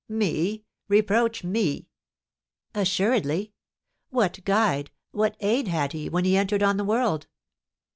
"Me? Reproach me?" "Assuredly. What guide, what aid had he, when he entered on the world?